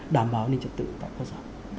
đảm bảo nhân dịch tật tự tại cơ sở